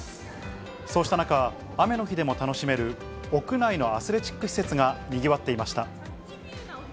そうした中、雨の日でも楽しめる屋内のアスレチック施設がにぎわっていました。